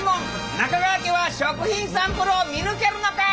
中川家は食品サンプルを見抜けるのか！？